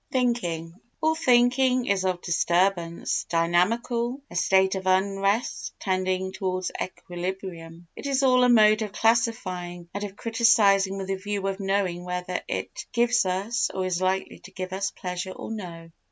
Thinking All thinking is of disturbance, dynamical, a state of unrest tending towards equilibrium. It is all a mode of classifying and of criticising with a view of knowing whether it gives us, or is likely to give us, pleasure or no.